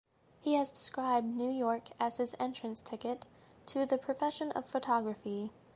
He has described New York as his "entrance ticket" to the profession of photography.